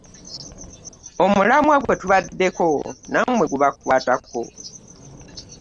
Omulamwa gwe tubaddeko nammwe gubakwatako.